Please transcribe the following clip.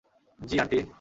জি, aunty!